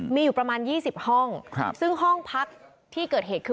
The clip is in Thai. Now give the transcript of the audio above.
มีอยู่ประมาณยี่สิบห้องครับซึ่งห้องพักที่เกิดเหตุคือ